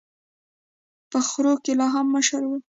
په خرو کي لا هم مشر وي.